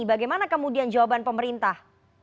bagaimana kemudian jawaban pemerintah